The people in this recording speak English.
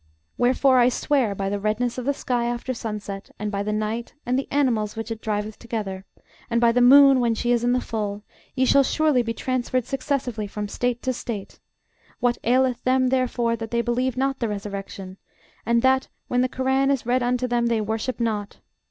Wherefore I swear by the redness of the sky after sunset, and by the night, and the animals which it driveth together, and by the moon when she is in the full; ye shall surely be transferred successively from state to state. What aileth them, therefore, that they believe not the resurrection; and that, when the Korân is read unto them, they worship not?